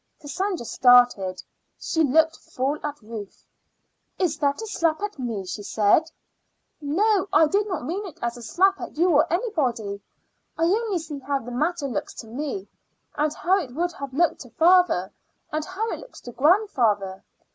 Cassandra started. She looked full at Ruth. "Is that a slap at me?" she asked. "No; I did not mean it as a slap at you or anybody. I only see how the matter looks to me, and how it would have looked to father, and how it looks to grandfather.